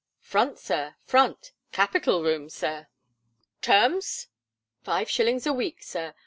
"Front, Sir, front. Capital room, Sir!" "Terms?" "Five shillings a week, Sir.